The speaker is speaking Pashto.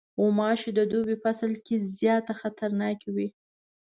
غوماشې د دوبی فصل کې زیاته خطرناکې وي.